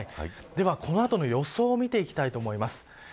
では、この後の予想を見ていきたいと思います。